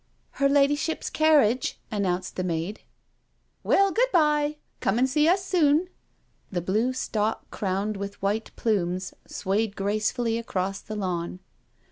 " Her ladyship's carriage," announced the maid. " Well, good bye, come and see us soon." The blue stalk crowned with white plumes swayed gracefully across the lawn.